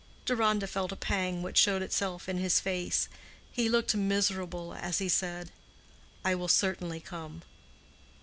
Deronda felt a pang, which showed itself in his face. He looked miserable as he said, "I will certainly come."